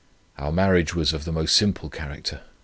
Our marriage was of the most simple character.